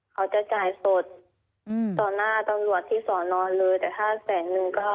เขาจะจ่ายสดต่อหน้าตำรวจที่สอนอนเลยแต่ถ้าแสนนึงก็